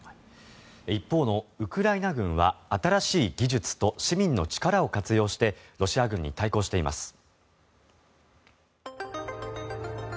一方のウクライナ軍は新しい技術と市民の力を活用してロシア軍に対抗しています。